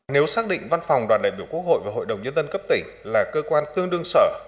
nếu xác định văn phòng đoàn đại biểu quốc hội và hội đồng nhân dân cấp tỉnh là cơ quan tương đương sở